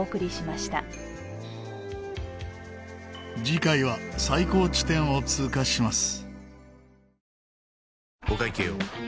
次回は最高地点を通過します。